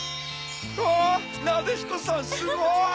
わぁなでしこさんすごい！